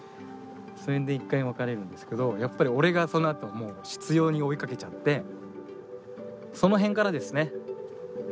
それで一回別れるんですけどやっぱり俺がそのあともう執ように追いかけちゃってその辺からですね